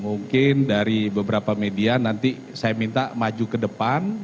mungkin dari beberapa media nanti saya minta maju ke depan